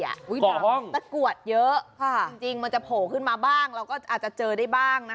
เกาะห้องต้นกวดเยอะจริงมันจะโผล่ขึ้นมาบ้างเราก็อาจจะเจอได้บ้าง